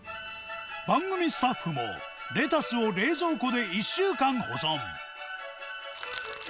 番組スタッフも、レタスを冷蔵庫で１週間保存。